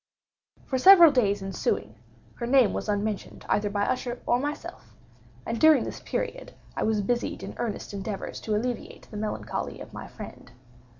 For several days ensuing, her name was unmentioned by either Usher or myself; and during this period I was busied in earnest endeavors to alleviate the melancholy of my friend.